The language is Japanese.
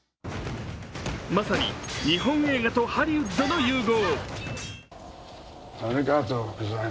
まさに日本映画とハリウッドの融合。